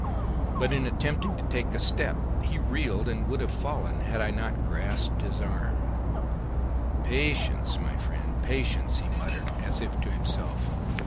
But in attempting to take a step he reeled and would have fallen had I not grasped his arm. "Patience, my friend, patience!" he muttered as if to himself.